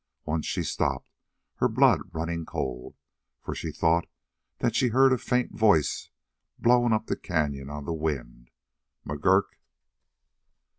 Once she stopped, her blood running cold, for she thought that she heard a faint voice blown up the canyon on the wind: "McGurk!"